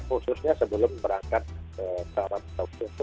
khususnya sebelum berangkat ke syarab atau syurga